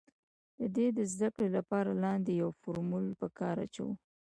د دې د زده کړې له پاره لاندې يو فورمول په کار اچوو